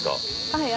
はい。